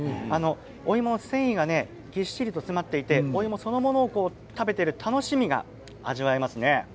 お芋の繊維がぎっしりと詰まっていてお芋そのものを食べている楽しみが味わえますね。